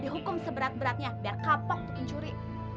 hukum seberat beratnya biar kapok bikin curi